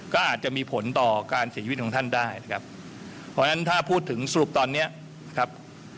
ก็อาจจะมีผลต่อการเสียชีวิตของท่านได้นะครับเพราะฉะนั้นถ้าพูดถึงสรุปตอนเนี้ยครับ